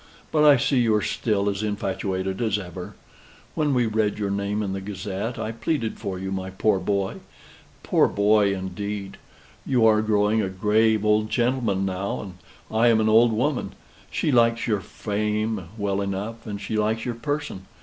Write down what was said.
But I see you are still as infatuated as ever. When we read your name in the Gazette, I pleaded for you, my poor boy. Poor boy, indeed! You are growing a grave old gentleman, now, and I am an old woman. She likes your fame well enough, and she likes your person.